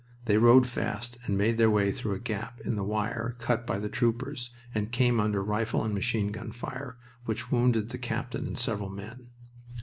They rode fast and made their way through a gap in the wire cut by the troopers, and came under rifle and machine gun fire, which wounded the captain and several men.